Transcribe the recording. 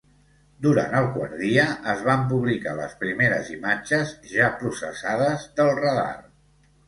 Durant el quart dia, es van publicar les primeres imatges ja processades del radar.